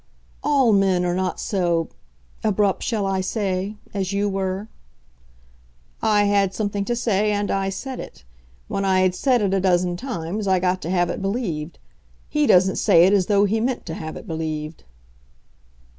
"All men are not so abrupt shall I say? as you were." "I had something to say, and I said it. When I had said it a dozen times, I got to have it believed. He doesn't say it as though he meant to have it believed."